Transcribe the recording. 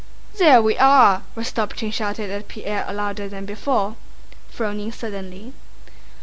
"There we are!" Rostopchín shouted at Pierre louder than before, frowning suddenly.